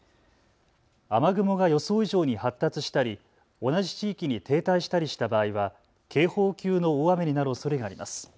雨雲が予想以上に発達したり同じ地域に停滞したりした場合は警報級の大雨になるおそれがあります。